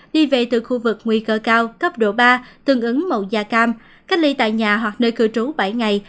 đi về từ khu vực nguy cơ cao cấp độ ba tương ứng mẫu da cam cách ly tại nhà hoặc nơi cư trú bảy ngày